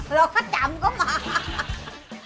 เราข้าจำก็มา